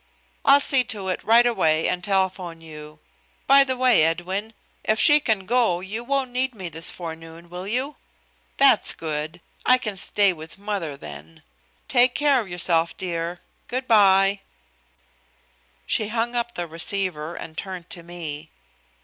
I'll see to it right away and telephone you. By the way, Edwin, if she can go, you won't need me this forenoon, will you? That's good. I can stay with mother, then. Take care of yourself, dear. Good by." She hung up the receiver and turned to me.